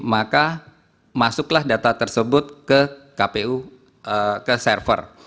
maka masuklah data tersebut ke kpu ke server